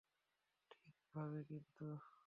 ঠিক ভাবে কিন্তু!